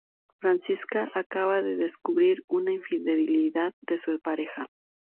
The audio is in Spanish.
Francisca acaba de descubrir una infidelidad de su pareja.